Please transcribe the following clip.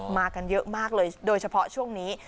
มากันเยอะมากเลยโดยเฉพาะช่วงนี้